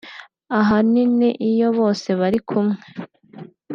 Ahanini iyo bose bari kumwe